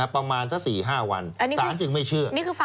ประมาณสัก๔๕วันสารจึงไม่เชื่อ